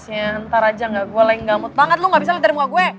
eh bisa bahasnya ntar aja gak gue yang gamut banget lo gak bisa liat dari muka gue